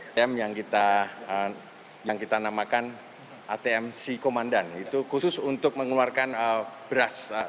atm yang kita namakan atm si komandan itu khusus untuk mengeluarkan beras